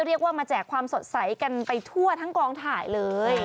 เรียกว่ามาแจกความสดใสกันไปทั่วทั้งกองถ่ายเลย